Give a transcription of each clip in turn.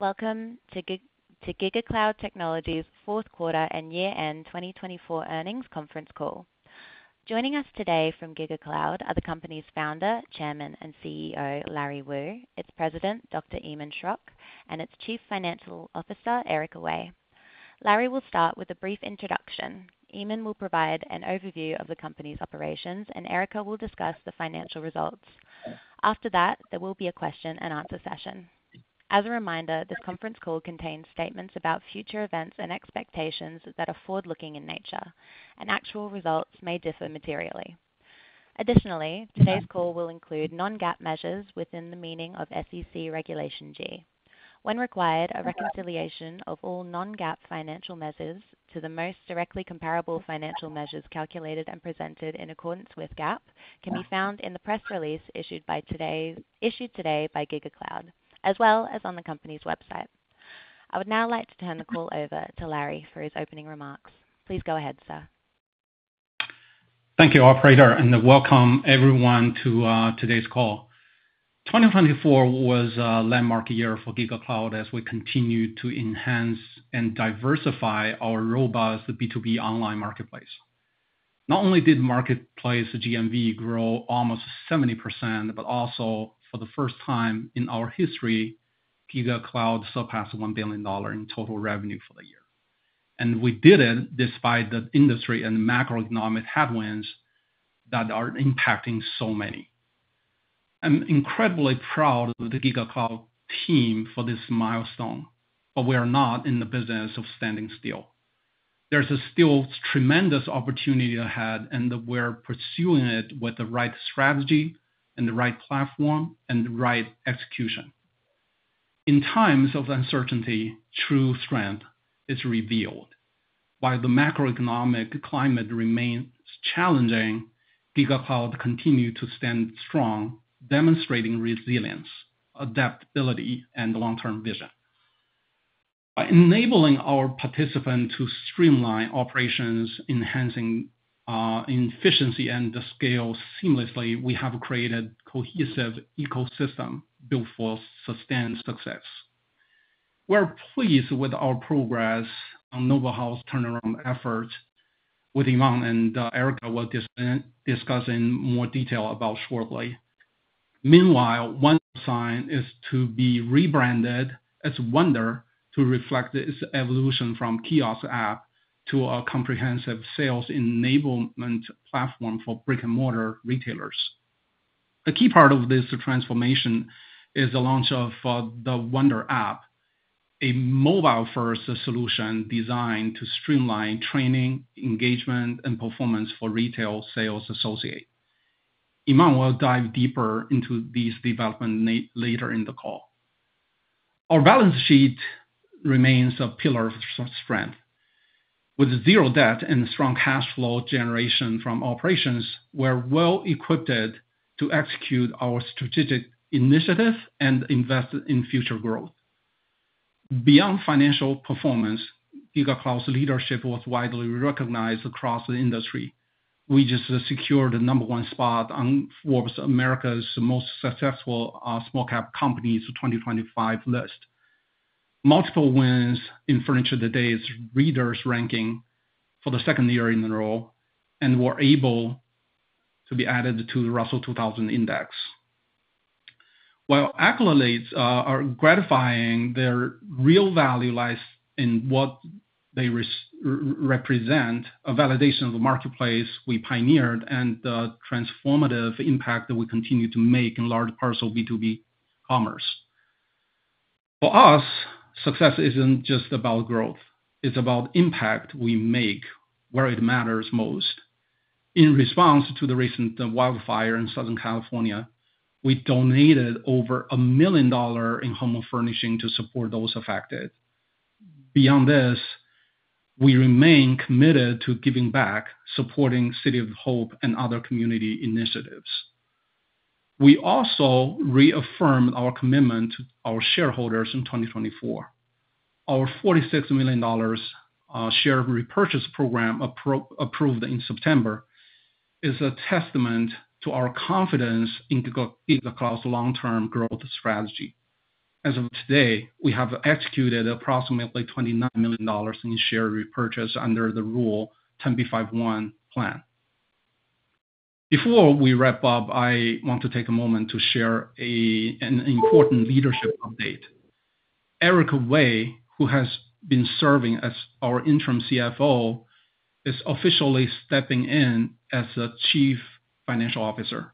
Welcome to GigaCloud Technology's Fourth Quarter and Year-End 2024 Earnings Conference Call. Joining us today from GigaCloud are the company's Founder, Chairman, and CEO Larry Wu, its President, Dr. Iman Schrock, and its Chief Financial Officer, Erica Wei. Larry will start with a brief introduction. Iman will provide an overview of the company's operations, and Erica will discuss the financial results. After that, there will be a question-and-answer session. As a reminder, this conference call contains statements about future events and expectations that are forward-looking in nature, and actual results may differ materially. Additionally, today's call will include non-GAAP measures within the meaning of SEC Regulation G. When required, a reconciliation of all non-GAAP financial measures to the most directly comparable financial measures calculated and presented in accordance with GAAP can be found in the press release issued today by GigaCloud, as well as on the company's website. I would now like to turn the call over to Larry for his opening remarks. Please go ahead, sir. Thank you, Operator, and welcome everyone to today's call. 2024 was a landmark year for GigaCloud as we continued to enhance and diversify our robust B2B online marketplace. Not only did the marketplace at GMV grow almost 70%, but also, for the first time in our history, GigaCloud surpassed $1 billion in total revenue for the year. We did it despite the industry and macroeconomic headwinds that are impacting so many. I'm incredibly proud of the GigaCloud team for this milestone, but we are not in the business of standing still. There is still tremendous opportunity ahead, and we're pursuing it with the right strategy, the right platform, and the right execution. In times of uncertainty, true strength is revealed. While the macroeconomic climate remains challenging, GigaCloud continues to stand strong, demonstrating resilience, adaptability, and long-term vision. By enabling our participants to streamline operations, enhancing efficiency, and scale seamlessly, we have created a cohesive ecosystem built for sustained success. We're pleased with our progress on the mobile health turnaround effort, with Iman and Erica discussing in more detail about shortly. Meanwhile, Wondersign is to be rebranded as Wonder, to reflect its evolution from kiosk app to a comprehensive sales enablement platform for brick-and-mortar retailers. A key part of this transformation is the launch of the Wonder App, a mobile-first solution designed to streamline training, engagement, and performance for retail sales associates. Iman will dive deeper into these developments later in the call. Our balance sheet remains a pillar of strength. With zero debt and a strong cash flow generation from operations, we're well-equipped to execute our strategic initiatives and invest in future growth. Beyond financial performance, GigaCloud's leadership was widely recognized across the industry. We just secured the number one spot on Forbes America's Most Successful Small-Cap Companies 2025 list. Multiple wins in Furniture Today's Reader's Ranking for the second year in a row, and we're able to be added to the Russell 2000 Index. While accolades are gratifying, their real value lies in what they represent: a validation of the marketplace we pioneered and the transformative impact that we continue to make in large parts of B2B commerce. For us, success isn't just about growth; it's about the impact we make where it matters most. In response to the recent wildfire in Southern California, we donated over $1 million in home furnishing to support those affected. Beyond this, we remain committed to giving back, supporting City of Hope and other community initiatives. We also reaffirmed our commitment to our shareholders in 2024. Our $46 million share repurchase program, approved in September, is a testament to our confidence in GigaCloud's long-term growth strategy. As of today, we have executed approximately $29 million in share repurchase under the Rule 10b5-1 plan. Before we wrap up, I want to take a moment to share an important leadership update. Erica Wei, who has been serving as our interim CFO, is officially stepping in as the Chief Financial Officer.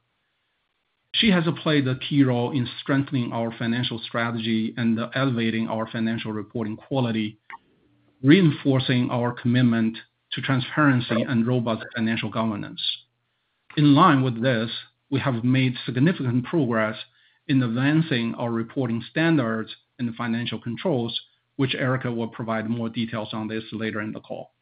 She has played a key role in strengthening our financial strategy and elevating our financial reporting quality, reinforcing our commitment to transparency and robust financial governance. In line with this, we have made significant progress in advancing our reporting standards and financial controls, which Erica will provide more details on later in the call.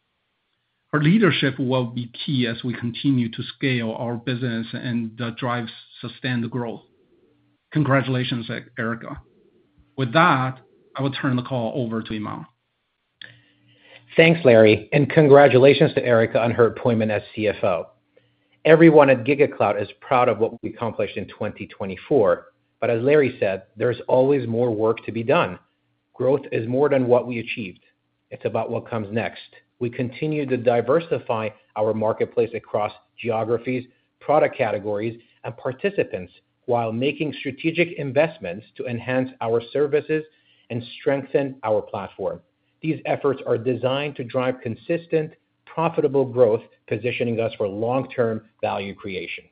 Her leadership will be key as we continue to scale our business and drive sustained growth. Congratulations, Erica. With that, I will turn the call over to Iman. Thanks, Larry, and congratulations to Erica on her appointment as CFO. Everyone at GigaCloud is proud of what we accomplished in 2024, but as Larry said, there's always more work to be done. Growth is more than what we achieved; it's about what comes next. We continue to diversify our marketplace across geographies, product categories, and participants while making strategic investments to enhance our services and strengthen our platform. These efforts are designed to drive consistent, profitable growth, positioning us for long-term value creation.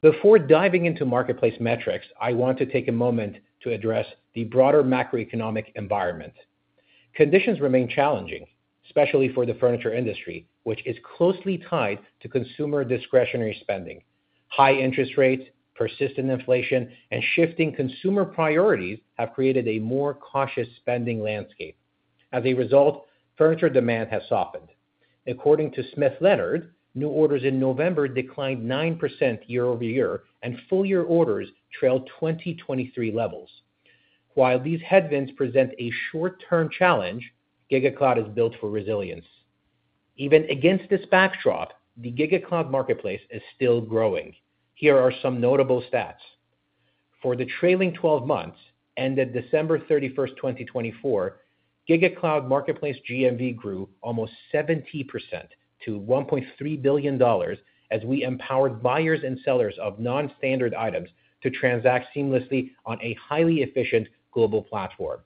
Before diving into marketplace metrics, I want to take a moment to address the broader macroeconomic environment. Conditions remain challenging, especially for the furniture industry, which is closely tied to consumer discretionary spending. High interest rates, persistent inflation, and shifting consumer priorities have created a more cautious spending landscape. As a result, furniture demand has softened. According to Smith Leonard, new orders in November declined 9% year-over-year, and full-year orders trailed 2023 levels. While these headwinds present a short-term challenge, GigaCloud is built for resilience. Even against this backdrop, the GigaCloud Marketplace is still growing. Here are some notable stats. For the trailing 12 months, ended December 31st, 2024, GigaCloud Marketplace GMV grew almost 70% to $1.3 billion as we empowered buyers and sellers of nonstandard items to transact seamlessly on a highly efficient global platform.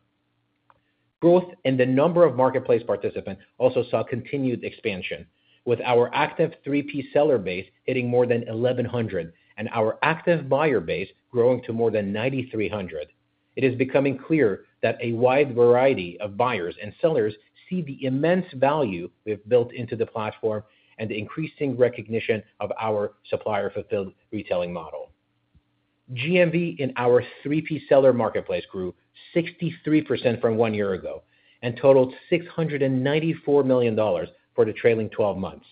Growth in the number of marketplace participants also saw continued expansion, with our active 3P seller base hitting more than 1,100 and our active buyer base growing to more than 9,300. It is becoming clear that a wide variety of buyers and sellers see the immense value we have built into the platform and the increasing recognition of our supplier-fulfilled retailing model. GMV in our 3P seller marketplace grew 63% from one year ago and totaled $694 million for the trailing 12 months.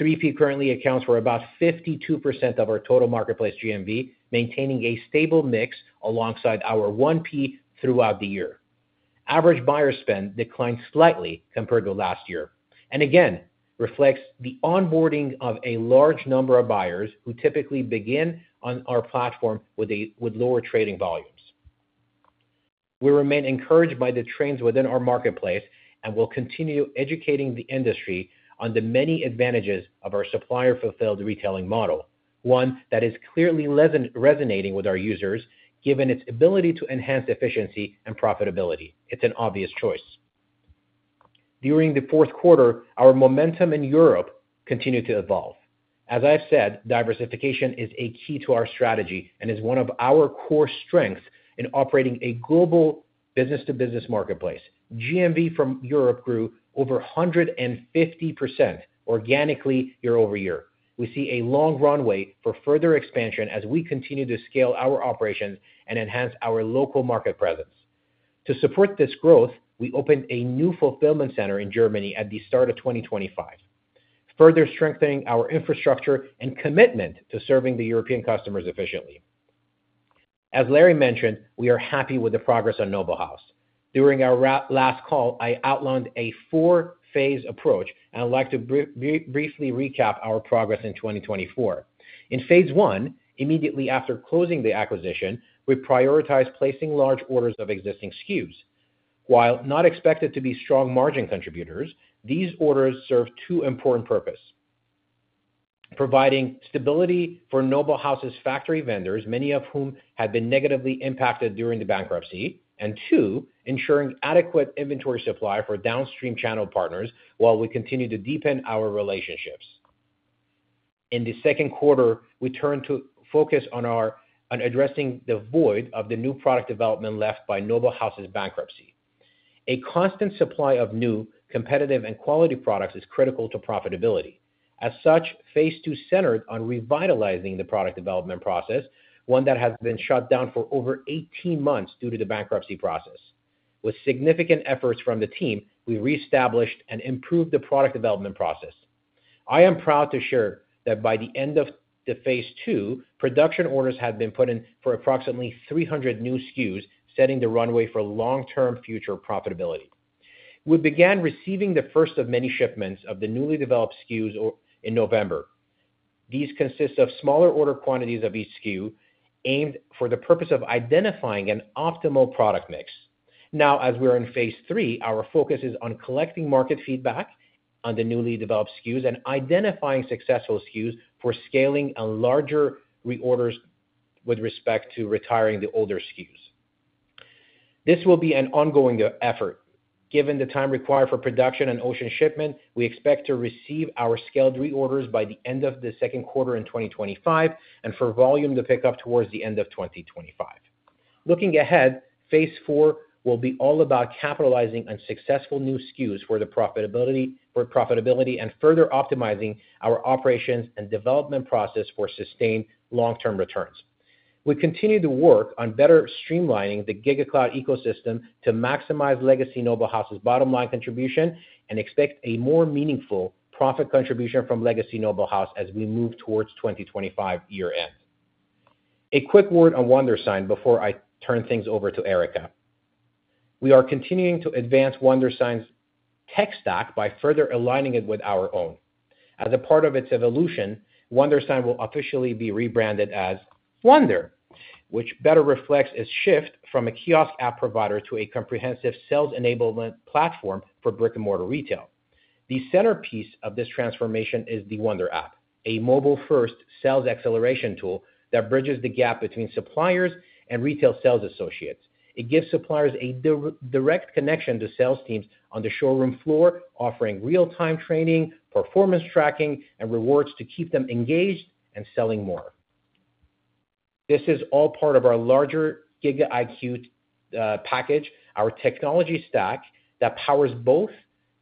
3P currently accounts for about 52% of our total marketplace GMV, maintaining a stable mix alongside our 1P throughout the year. Average buyer spend declined slightly compared to last year and again reflects the onboarding of a large number of buyers who typically begin on our platform with lower trading volumes. We remain encouraged by the trends within our marketplace and will continue educating the industry on the many advantages of our supplier-fulfilled retailing model, one that is clearly resonating with our users given its ability to enhance efficiency and profitability. It's an obvious choice. During the fourth quarter, our momentum in Europe continued to evolve. As I've said, diversification is a key to our strategy and is one of our core strengths in operating a global business-to-business marketplace. GMV from Europe grew over 150% organically year-over-year. We see a long runway for further expansion as we continue to scale our operations and enhance our local market presence. To support this growth, we opened a new fulfillment center in Germany at the start of 2025, further strengthening our infrastructure and commitment to serving the European customers efficiently. As Larry mentioned, we are happy with the progress on Noble House. During our last call, I outlined a four-phase approach, and I'd like to briefly recap our progress in 2024. In phase one, immediately after closing the acquisition, we prioritized placing large orders of existing SKUs. While not expected to be strong margin contributors, these orders serve two important purposes: providing stability for Noble House's factory vendors, many of whom had been negatively impacted during the bankruptcy, and two, ensuring adequate inventory supply for downstream channel partners while we continue to deepen our relationships. In the second quarter, we turned to focus on addressing the void of the new product development left by Noble House's bankruptcy. A constant supply of new, competitive, and quality products is critical to profitability. As such, phase two centered on revitalizing the product development process, one that had been shut down for over 18 months due to the bankruptcy process. With significant efforts from the team, we reestablished and improved the product development process. I am proud to share that by the end of phase two, production orders had been put in for approximately 300 new SKUs, setting the runway for long-term future profitability. We began receiving the first of many shipments of the newly developed SKUs in November. These consist of smaller order quantities of each SKU aimed for the purpose of identifying an optimal product mix. Now, as we are in phase three, our focus is on collecting market feedback on the newly developed SKUs and identifying successful SKUs for scaling and larger reorders with respect to retiring the older SKUs. This will be an ongoing effort. Given the time required for production and ocean shipment, we expect to receive our scaled reorders by the end of the second quarter in 2025 and for volume to pick up towards the end of 2025. Looking ahead, phase four will be all about capitalizing on successful new SKUs for profitability and further optimizing our operations and development process for sustained long-term returns. We continue to work on better streamlining the GigaCloud ecosystem to maximize legacy Noble House's bottom line contribution and expect a more meaningful profit contribution from legacy Noble House as we move towards 2025 year-end. A quick word on Wondersign before I turn things over to Erica. We are continuing to advance Wondersign's tech stack by further aligning it with our own. As a part of its evolution, Wondersign will officially be rebranded as Wonder, which better reflects its shift from a kiosk app provider to a comprehensive sales enablement platform for brick-and-mortar retail. The centerpiece of this transformation is the Wonder App, a mobile-first sales acceleration tool that bridges the gap between suppliers and retail sales associates. It gives suppliers a direct connection to sales teams on the showroom floor, offering real-time training, performance tracking, and rewards to keep them engaged and selling more. This is all part of our larger Giga IQ package, our technology stack that powers both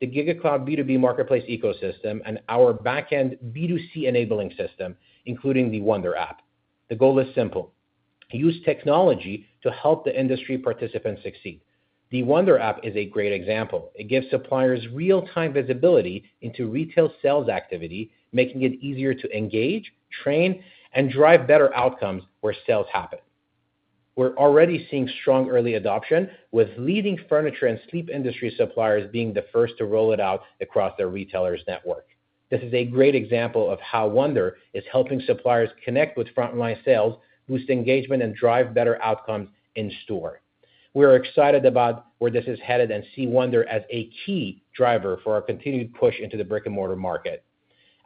the GigaCloud B2B Marketplace ecosystem and our backend B2C enabling system, including the Wonder App. The goal is simple: use technology to help the industry participants succeed. The Wonder App is a great example. It gives suppliers real-time visibility into retail sales activity, making it easier to engage, train, and drive better outcomes where sales happen. We're already seeing strong early adoption, with leading furniture and sleep industry suppliers being the first to roll it out across their retailers' network. This is a great example of how Wonder is helping suppliers connect with frontline sales, boost engagement, and drive better outcomes in store. We are excited about where this is headed and see Wonder as a key driver for our continued push into the brick-and-mortar market.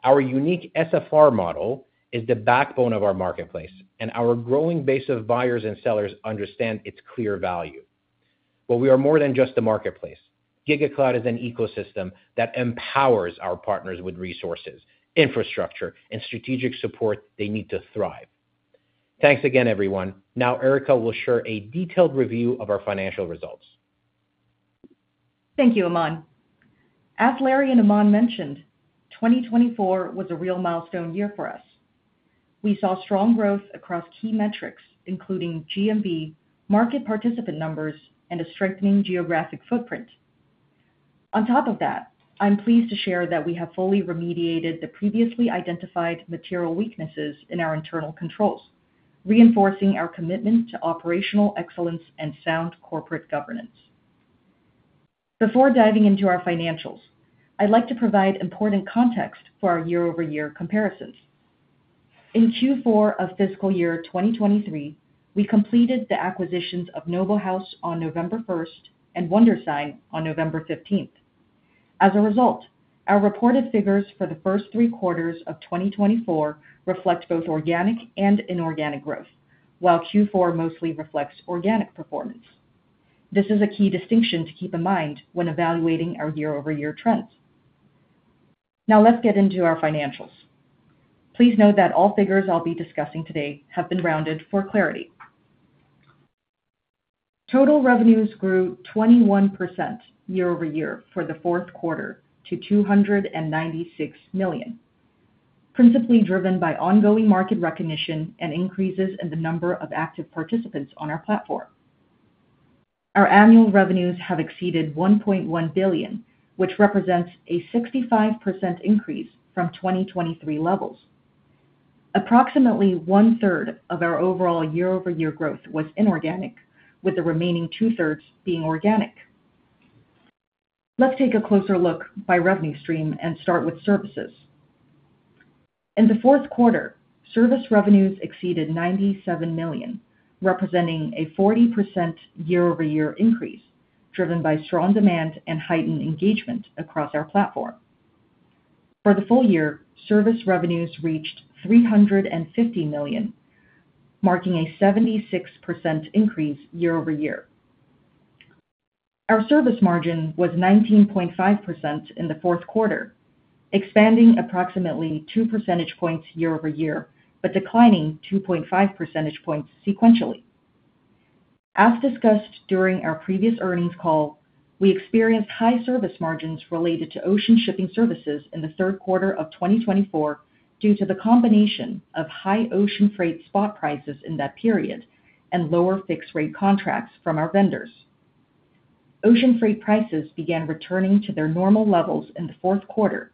Our unique SFR model is the backbone of our marketplace, and our growing base of buyers and sellers understand its clear value. We are more than just a marketplace. GigaCloud is an ecosystem that empowers our partners with resources, infrastructure, and strategic support they need to thrive. Thanks again, everyone. Now, Erica will share a detailed review of our financial results. Thank you, Iman. As Larry and Iman mentioned, 2024 was a real milestone year for us. We saw strong growth across key metrics, including GMV, market participant numbers, and a strengthening geographic footprint. On top of that, I'm pleased to share that we have fully remediated the previously identified material weaknesses in our internal controls, reinforcing our commitment to operational excellence and sound corporate governance. Before diving into our financials, I'd like to provide important context for our year-over-year comparisons. In Q4 of fiscal year 2023, we completed the acquisitions of Noble House on November 1st and Wondersign on November 15th. As a result, our reported figures for the first three quarters of 2024 reflect both organic and inorganic growth, while Q4 mostly reflects organic performance. This is a key distinction to keep in mind when evaluating our year-over-year trends. Now, let's get into our financials. Please note that all figures I'll be discussing today have been rounded for clarity. Total revenues grew 21% year-over-year for the fourth quarter to $296 million, principally driven by ongoing market recognition and increases in the number of active participants on our platform. Our annual revenues have exceeded $1.1 billion, which represents a 65% increase from 2023 levels. Approximately one-third of our overall year-over-year growth was inorganic, with the remaining two-thirds being organic. Let's take a closer look by revenue stream and start with services. In the fourth quarter, service revenues exceeded $97 million, representing a 40% year-over-year increase driven by strong demand and heightened engagement across our platform. For the full year, service revenues reached $350 million, marking a 76% increase year-over-year. Our service margin was 19.5% in the fourth quarter, expanding approximately two percentage points year-over-year but declining 2.5 percentage points sequentially. As discussed during our previous earnings call, we experienced high service margins related to ocean shipping services in the third quarter of 2024 due to the combination of high ocean freight spot prices in that period and lower fixed-rate contracts from our vendors. Ocean freight prices began returning to their normal levels in the fourth quarter,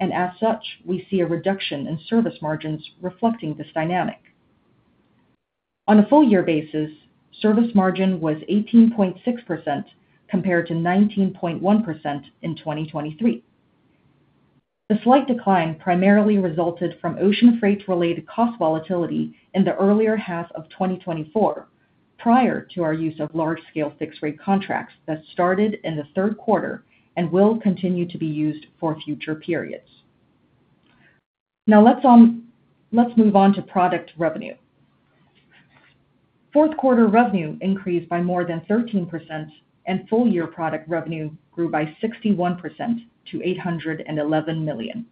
and as such, we see a reduction in service margins reflecting this dynamic. On a full-year basis, service margin was 18.6% compared to 19.1% in 2023. The slight decline primarily resulted from ocean freight-related cost volatility in the earlier half of 2024 prior to our use of large-scale fixed-rate contracts that started in the third quarter and will continue to be used for future periods. Now, let's move on to product revenue. Fourth-quarter revenue increased by more than 13%, and full-year product revenue grew by 61% to $811 million.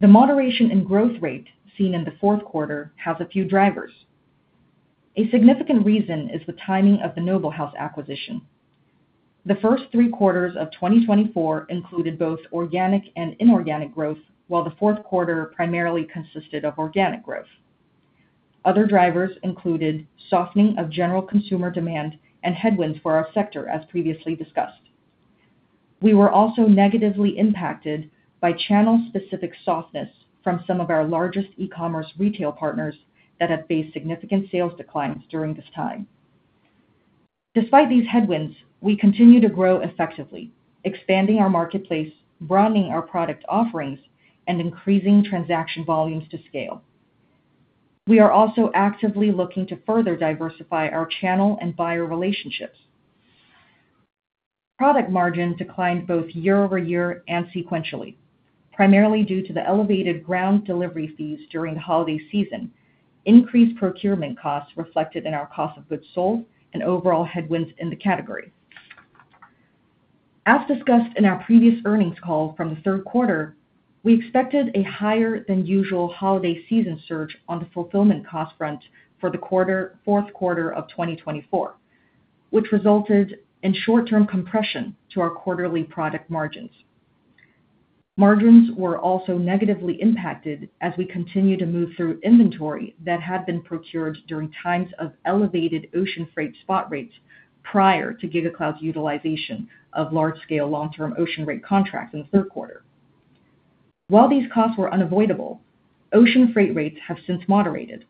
The moderation in growth rate seen in the fourth quarter has a few drivers. A significant reason is the timing of the Noble House acquisition. The first three quarters of 2024 included both organic and inorganic growth, while the fourth quarter primarily consisted of organic growth. Other drivers included softening of general consumer demand and headwinds for our sector, as previously discussed. We were also negatively impacted by channel-specific softness from some of our largest e-commerce retail partners that have faced significant sales declines during this time. Despite these headwinds, we continue to grow effectively, expanding our marketplace, broadening our product offerings, and increasing transaction volumes to scale. We are also actively looking to further diversify our channel and buyer relationships. Product margin declined both year-over-year and sequentially, primarily due to the elevated ground delivery fees during the holiday season, increased procurement costs reflected in our cost of goods sold, and overall headwinds in the category. As discussed in our previous earnings call from the third quarter, we expected a higher-than-usual holiday season surge on the fulfillment cost front for the fourth quarter of 2024, which resulted in short-term compression to our quarterly product margins. Margins were also negatively impacted as we continued to move through inventory that had been procured during times of elevated ocean freight spot rates prior to GigaCloud's utilization of large-scale long-term ocean rate contracts in the third quarter. While these costs were unavoidable, ocean freight rates have since moderated.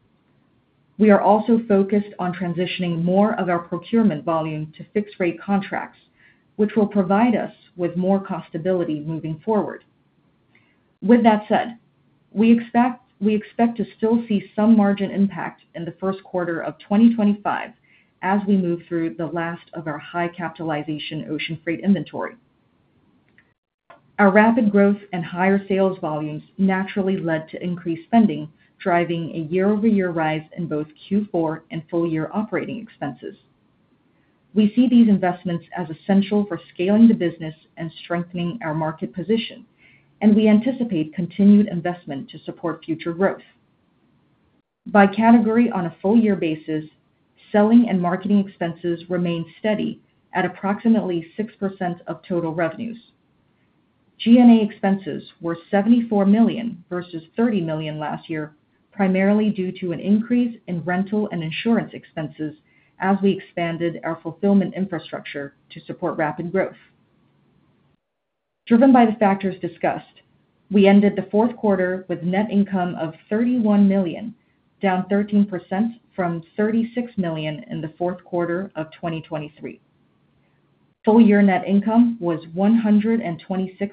We are also focused on transitioning more of our procurement volume to fixed-rate contracts, which will provide us with more cost stability moving forward. With that said, we expect to still see some margin impact in the first quarter of 2025 as we move through the last of our high-capitalization ocean freight inventory. Our rapid growth and higher sales volumes naturally led to increased spending, driving a year-over-year rise in both Q4 and full-year operating expenses. We see these investments as essential for scaling the business and strengthening our market position, and we anticipate continued investment to support future growth. By category on a full-year basis, selling and marketing expenses remained steady at approximately 6% of total revenues. G&A expenses were $74 million versus $30 million last year, primarily due to an increase in rental and insurance expenses as we expanded our fulfillment infrastructure to support rapid growth. Driven by the factors discussed, we ended the fourth quarter with net income of $31 million, down 13% from $36 million in the fourth quarter of 2023. Full-year net income was $126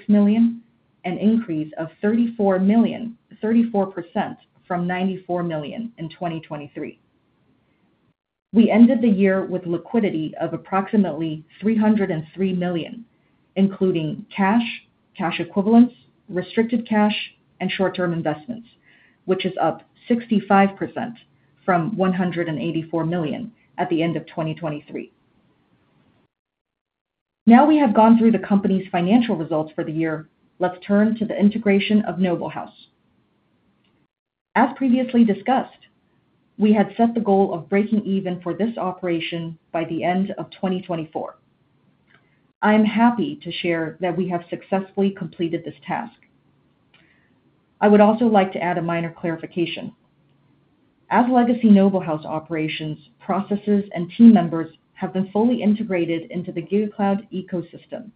million, an increase of $34 million, 34% from $94 million in 2023. We ended the year with liquidity of approximately $303 million, including cash, cash equivalents, restricted cash, and short-term investments, which is up 65% from $184 million at the end of 2023. Now we have gone through the company's financial results for the year, let's turn to the integration of Noble House. As previously discussed, we had set the goal of breaking even for this operation by the end of 2024. I am happy to share that we have successfully completed this task. I would also like to add a minor clarification. As legacy Noble House operations, processes, and team members have been fully integrated into the GigaCloud ecosystem,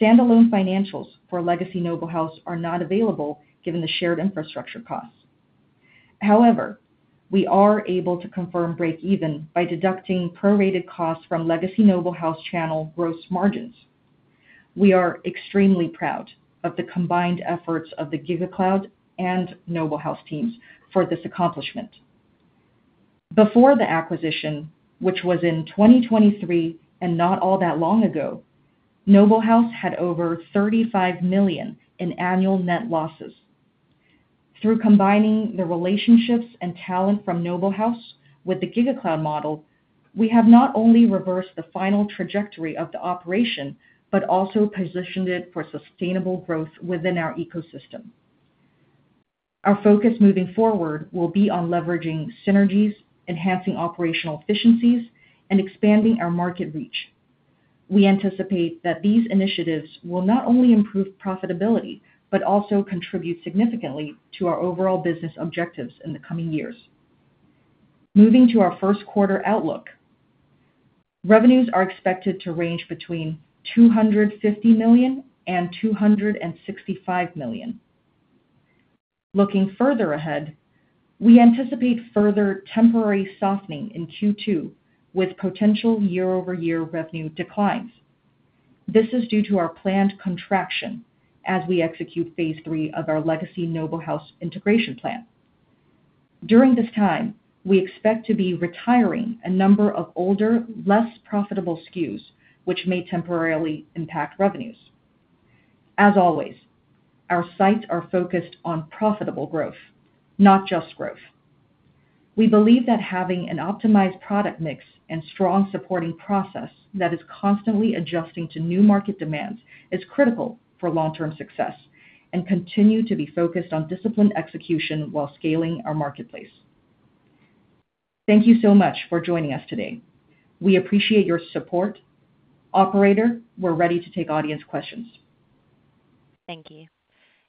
standalone financials for legacy Noble House are not available given the shared infrastructure costs. However, we are able to confirm break-even by deducting prorated costs from legacy Noble House channel gross margins. We are extremely proud of the combined efforts of the GigaCloud and Noble House teams for this accomplishment. Before the acquisition, which was in 2023 and not all that long ago, Noble House had over $35 million in annual net losses. Through combining the relationships and talent from Noble House with the GigaCloud model, we have not only reversed the final trajectory of the operation but also positioned it for sustainable growth within our ecosystem. Our focus moving forward will be on leveraging synergies, enhancing operational efficiencies, and expanding our market reach. We anticipate that these initiatives will not only improve profitability but also contribute significantly to our overall business objectives in the coming years. Moving to our first quarter outlook, revenues are expected to range between $250 million and $265 million. Looking further ahead, we anticipate further temporary softening in Q2 with potential year-over-year revenue declines. This is due to our planned contraction as we execute phase three of our legacy Noble House integration plan. During this time, we expect to be retiring a number of older, less profitable SKUs, which may temporarily impact revenues. As always, our sights are focused on profitable growth, not just growth. We believe that having an optimized product mix and strong supporting process that is constantly adjusting to new market demands is critical for long-term success and continue to be focused on disciplined execution while scaling our marketplace. Thank you so much for joining us today. We appreciate your support. Operator, we're ready to take audience questions. Thank you.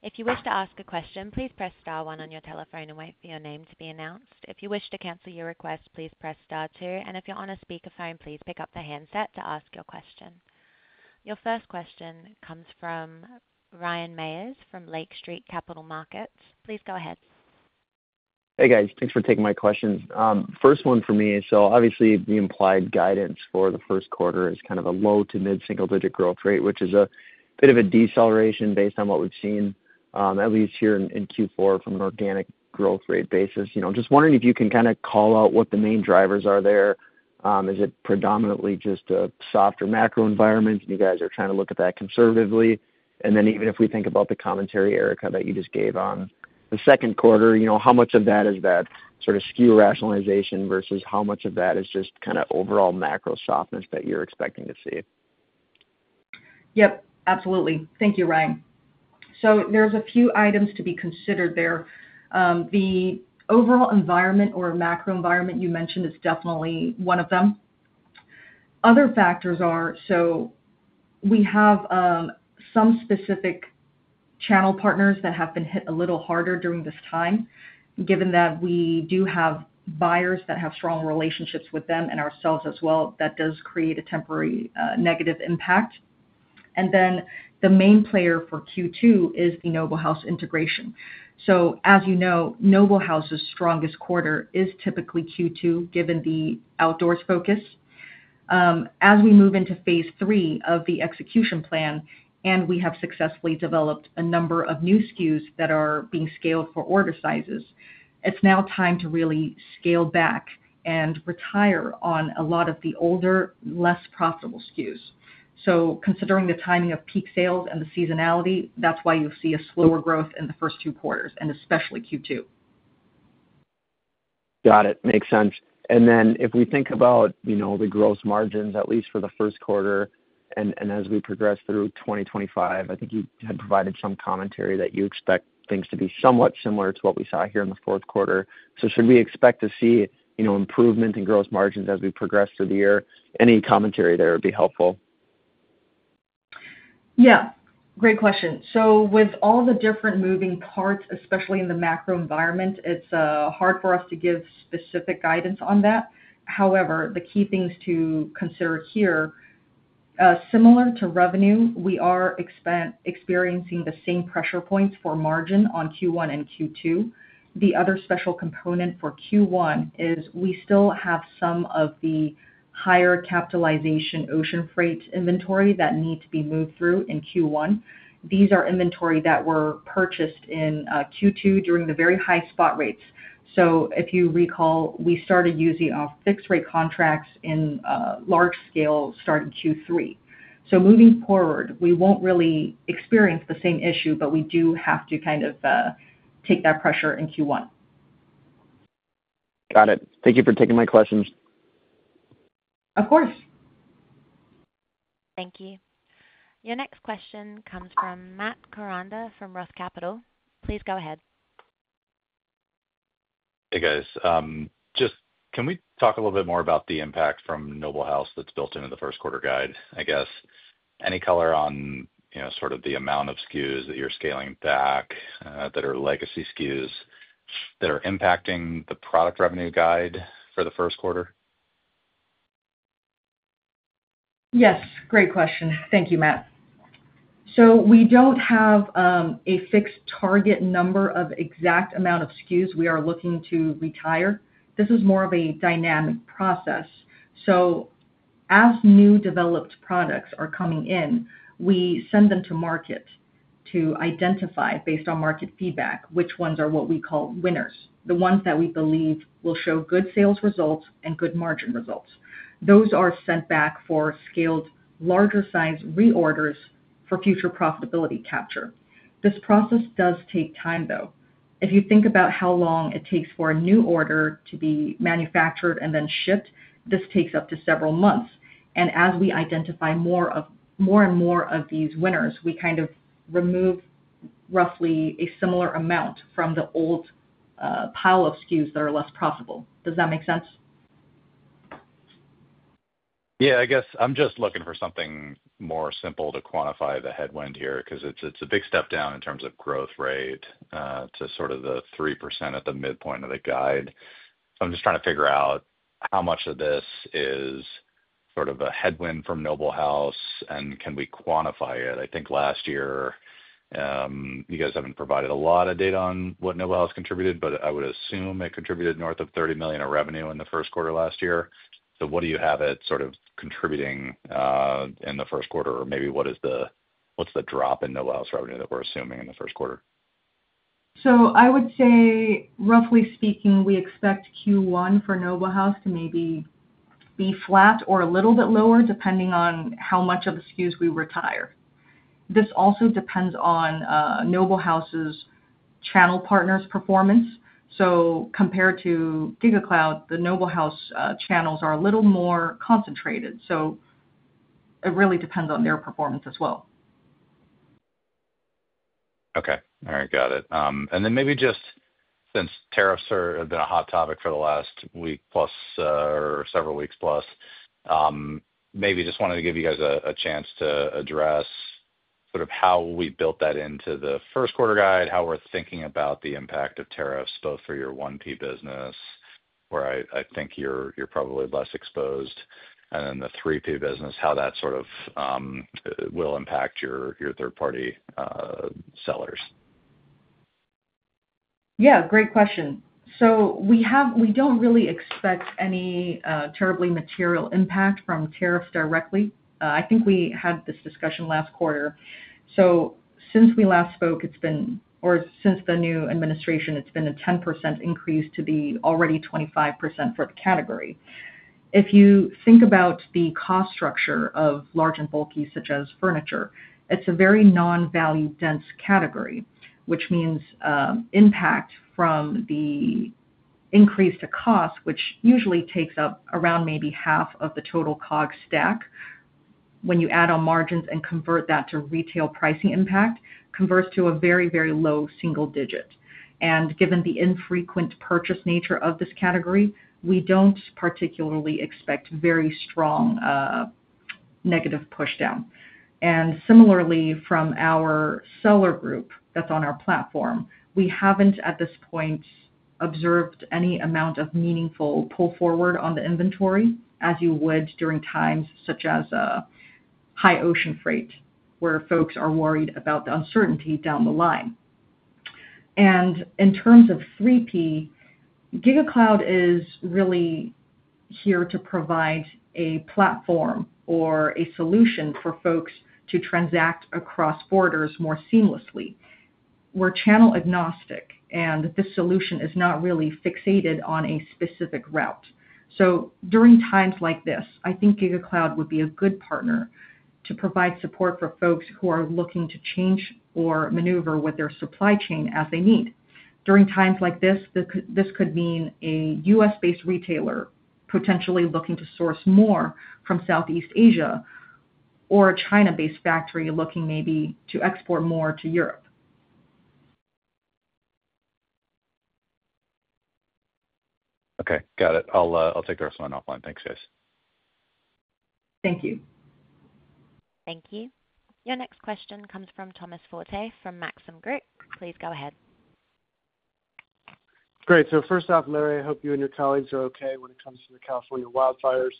If you wish to ask a question, please press star one on your telephone and wait for your name to be announced. If you wish to cancel your request, please press star two. If you're on a speakerphone, please pick up the handset to ask your question. Your first question comes from Ryan Meyers from Lake Street Capital Markets. Please go ahead. Hey, guys. Thanks for taking my questions. First one for me, obviously, the implied guidance for the first quarter is kind of a low to mid-single-digit growth rate, which is a bit of a deceleration based on what we've seen, at least here in Q4, from an organic growth rate basis. Just wondering if you can kind of call out what the main drivers are there. Is it predominantly just a softer macro environment, and you guys are trying to look at that conservatively? Even if we think about the commentary, Erica, that you just gave on the second quarter, how much of that is that sort of SKU rationalization versus how much of that is just kind of overall macro softness that you're expecting to see? Yep, absolutely. Thank you, Ryan. There are a few items to be considered there. The overall environment or macro environment you mentioned is definitely one of them. Other factors are, we have some specific channel partners that have been hit a little harder during this time. Given that we do have buyers that have strong relationships with them and ourselves as well, that does create a temporary negative impact. The main player for Q2 is the Noble House integration. As you know, Noble House's strongest quarter is typically Q2, given the outdoors focus. As we move into phase three of the execution plan, and we have successfully developed a number of new SKUs that are being scaled for order sizes, it is now time to really scale back and retire a lot of the older, less profitable SKUs. Considering the timing of peak sales and the seasonality, that's why you'll see a slower growth in the first two quarters, and especially Q2. Got it. Makes sense. If we think about the gross margins, at least for the first quarter, and as we progress through 2025, I think you had provided some commentary that you expect things to be somewhat similar to what we saw here in the fourth quarter. Should we expect to see improvement in gross margins as we progress through the year? Any commentary there would be helpful. Yeah. Great question. With all the different moving parts, especially in the macro environment, it's hard for us to give specific guidance on that. However, the key things to consider here, similar to revenue, we are experiencing the same pressure points for margin on Q1 and Q2. The other special component for Q1 is we still have some of the higher capitalization ocean freight inventory that need to be moved through in Q1. These are inventory that were purchased in Q2 during the very high spot rates. If you recall, we started using our fixed-rate contracts in large scale starting Q3. Moving forward, we won't really experience the same issue, but we do have to kind of take that pressure in Q1. Got it. Thank you for taking my questions. Of course. Thank you. Your next question comes from Matt Koranda from Roth Capital. Please go ahead. Hey, guys. Just can we talk a little bit more about the impact from Noble House that's built into the first quarter guide, I guess? Any color on sort of the amount of SKUs that you're scaling back that are legacy SKUs that are impacting the product revenue guide for the first quarter? Yes. Great question. Thank you, Matt. We do not have a fixed target number or exact amount of SKUs we are looking to retire. This is more of a dynamic process. As new developed products are coming in, we send them to market to identify, based on market feedback, which ones are what we call winners, the ones that we believe will show good sales results and good margin results. Those are sent back for scaled larger size reorders for future profitability capture. This process does take time, though. If you think about how long it takes for a new order to be manufactured and then shipped, this takes up to several months. As we identify more and more of these winners, we kind of remove roughly a similar amount from the old pile of SKUs that are less profitable. Does that make sense? Yeah. I guess I'm just looking for something more simple to quantify the headwind here because it's a big step down in terms of growth rate to sort of the 3% at the midpoint of the guide. I'm just trying to figure out how much of this is sort of a headwind from Noble House and can we quantify it. I think last year you guys haven't provided a lot of data on what Noble House contributed, but I would assume it contributed north of $30 million in revenue in the first quarter last year. What do you have it sort of contributing in the first quarter? Or maybe what's the drop in Noble House revenue that we're assuming in the first quarter? I would say, roughly speaking, we expect Q1 for Noble House to maybe be flat or a little bit lower depending on how much of the SKUs we retire. This also depends on Noble House's channel partners' performance. Compared to GigaCloud, the Noble House channels are a little more concentrated. It really depends on their performance as well. Okay. All right. Got it. Maybe just since tariffs have been a hot topic for the last week plus or several weeks plus, maybe just wanted to give you guys a chance to address sort of how we built that into the first quarter guide, how we're thinking about the impact of tariffs both for your 1P business, where I think you're probably less exposed, and then the 3P business, how that sort of will impact your third-party sellers. Yeah. Great question. We do not really expect any terribly material impact from tariffs directly. I think we had this discussion last quarter. Since we last spoke, or since the new administration, it has been a 10% increase to the already 25% for the category. If you think about the cost structure of large and bulky such as furniture, it is a very non-value dense category, which means impact from the increase to cost, which usually takes up around maybe half of the total COGS stack. When you add on margins and convert that to retail pricing impact, it converts to a very, very low single digit. Given the infrequent purchase nature of this category, we do not particularly expect very strong negative pushdown. Similarly, from our seller group that's on our platform, we haven't at this point observed any amount of meaningful pull forward on the inventory as you would during times such as high ocean freight where folks are worried about the uncertainty down the line. In terms of 3P, GigaCloud is really here to provide a platform or a solution for folks to transact across borders more seamlessly. We're channel agnostic, and this solution is not really fixated on a specific route. During times like this, I think GigaCloud would be a good partner to provide support for folks who are looking to change or maneuver with their supply chain as they need. During times like this, this could mean a U.S.-based retailer potentially looking to source more from Southeast Asia or a China-based factory looking maybe to export more to Europe. Okay. Got it. I'll take the rest of my offline. Thanks, guys. Thank you. Thank you. Your next question comes from Thomas Forte from Maxim Group. Please go ahead. Great. First off, Larry, I hope you and your colleagues are okay when it comes to the California wildfires.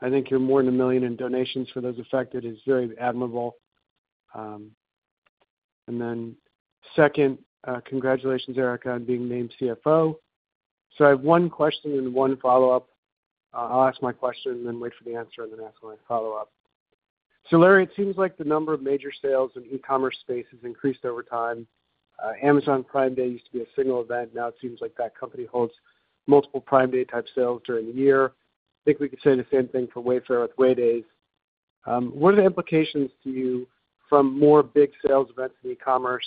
I think you're more than $1 million in donations for those affected. It's very admirable. Second, congratulations, Erica, on being named CFO. I have one question and one follow-up. I'll ask my question and then wait for the answer and then ask my follow-up. Larry, it seems like the number of major sales in e-commerce space has increased over time. Amazon Prime Day used to be a single event. Now it seems like that company holds multiple Prime Day type sales during the year. I think we could say the same thing for Wayfair with Way Day. What are the implications to you from more big sales events in e-commerce?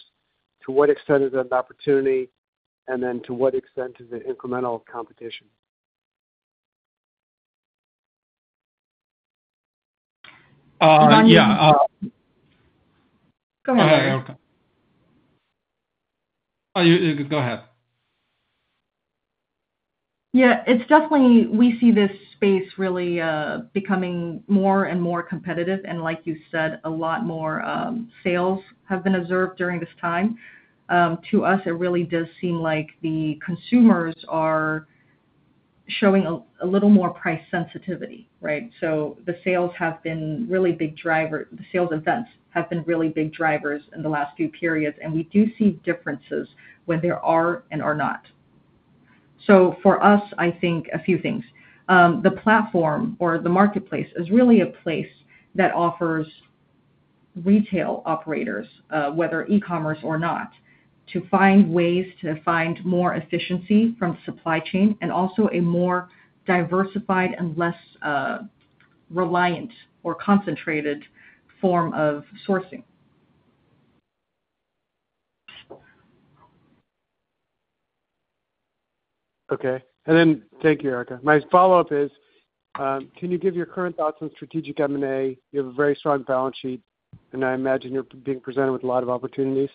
To what extent is that an opportunity? To what extent is it incremental competition? Yeah. Go ahead, Erica. Oh, you can go ahead. Yeah. We see this space really becoming more and more competitive. Like you said, a lot more sales have been observed during this time. To us, it really does seem like the consumers are showing a little more price sensitivity, right? The sales have been really big drivers. The sales events have been really big drivers in the last few periods. We do see differences when there are and are not. For us, I think a few things. The platform or the marketplace is really a place that offers retail operators, whether e-commerce or not, to find ways to find more efficiency from supply chain and also a more diversified and less reliant or concentrated form of sourcing. Okay. Thank you, Erica. My follow-up is, can you give your current thoughts on strategic M&A? You have a very strong balance sheet, and I imagine you're being presented with a lot of opportunities.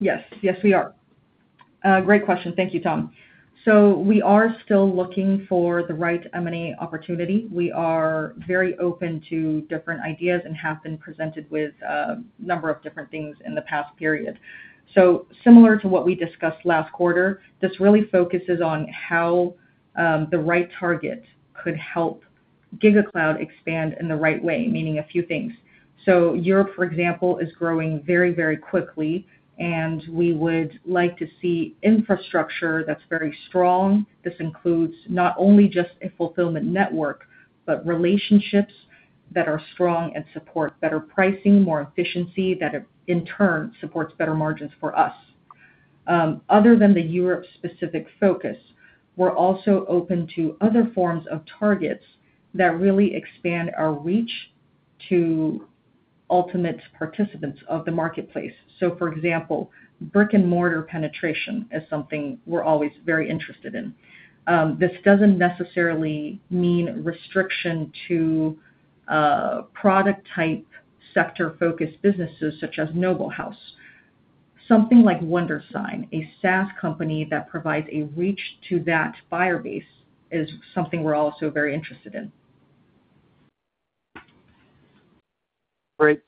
Yes. Yes, we are. Great question. Thank you, Tom. We are still looking for the right M&A opportunity. We are very open to different ideas and have been presented with a number of different things in the past period. Similar to what we discussed last quarter, this really focuses on how the right target could help GigaCloud expand in the right way, meaning a few things. Europe, for example, is growing very, very quickly, and we would like to see infrastructure that is very strong. This includes not only just a fulfillment network, but relationships that are strong and support better pricing, more efficiency that in turn supports better margins for us. Other than the Europe-specific focus, we are also open to other forms of targets that really expand our reach to ultimate participants of the marketplace. For example, brick-and-mortar penetration is something we are always very interested in. This doesn't necessarily mean restriction to product-type sector-focused businesses such as Noble House. Something like Wondersign, a SaaS company that provides a reach to that buyer base, is something we're also very interested in. Great.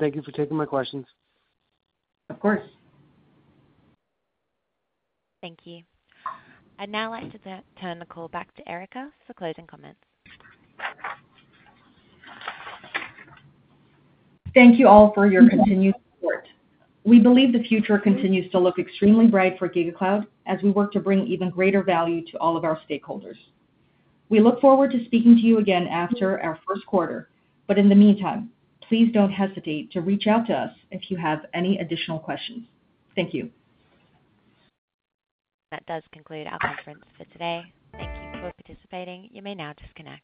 Thank you for taking my questions. Of course. Thank you. I would like to turn the call back to Erica for closing comments. Thank you all for your continued support. We believe the future continues to look extremely bright for GigaCloud as we work to bring even greater value to all of our stakeholders. We look forward to speaking to you again after our first quarter, but in the meantime, please do not hesitate to reach out to us if you have any additional questions. Thank you. That does conclude our conference for today. Thank you for participating. You may now disconnect.